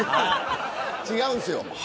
違うんですよ。